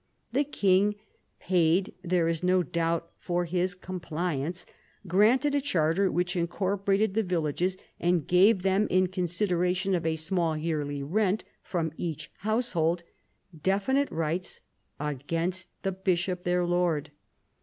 The king, paid, there is no doubt, for his compliance, granted a charter which incorporated the villages, and gave them, in consideration of a small yearly rent from each household, definite rights against the bishop, their lord.